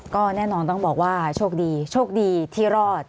ก็แน่นอนต้องบอกว่าโชคดีโชคดีที่รอด